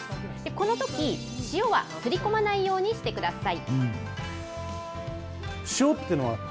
このとき、塩はすり込まないようにしてください。